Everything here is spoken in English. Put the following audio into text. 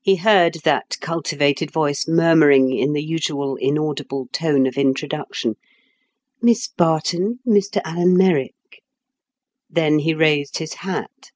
He heard that cultivated voice murmuring in the usual inaudible tone of introduction, "Miss Barton, Mr Alan Merrick." Then he raised his hat.